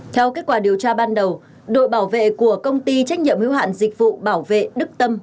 theo kết quả điều tra ban đầu đội bảo vệ của công ty trách nhiệm hiếu hạn dịch vụ bảo vệ đức tâm